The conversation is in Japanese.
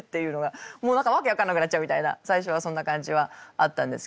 もう何か訳分かんなくなっちゃうみたいな最初はそんな感じはあったんですけど。